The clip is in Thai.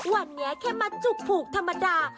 วันนี้แค่มาจุกผูกธรรมดา